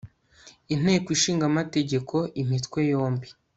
nteko ishinga amategeko imitwe yombi